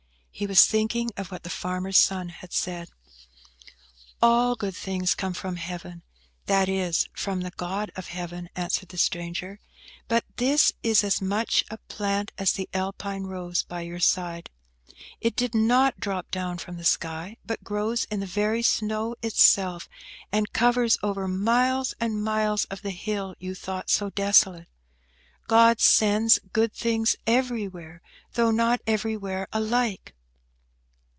He was thinking of what the farmer's son had said. "All good things come from Heaven, that is, from the God of Heaven," answered the stranger. "But this is as much a plant as the Alpine rose by your side. It did not drop down from the sky, but grows in the very snow itself, and covers over miles and miles of the hill you thought so desolate. God sends good things everywhere, though not everywhere alike."